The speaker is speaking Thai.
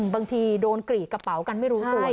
บางทีโดนกรีดกระเป๋ากันไม่รู้ตัว